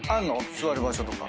座る場所とか。